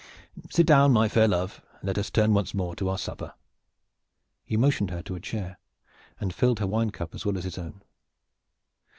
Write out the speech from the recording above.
Sit down, my fair love, and let us turn once more to our supper." He motioned her to her chair, and he filled her wine cup as well as his own.